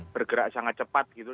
bergerak sangat cepat gitu